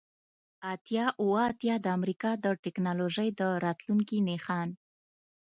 اتیا اوه اتیا د امریکا د ټیکنالوژۍ د راتلونکي نښان